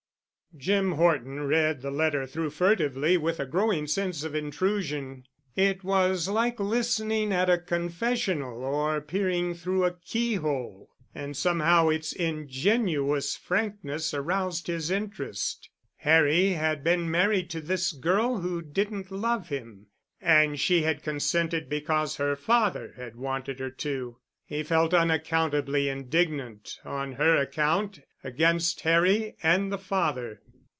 Jim Horton read the letter through furtively with a growing sense of intrusion. It was like listening at a confessional or peering through a keyhole. And somehow its ingenuous frankness aroused his interest. Harry had been married to this girl who didn't love him and she had consented because her father had wanted her to. He felt unaccountably indignant on her account against Harry and the father.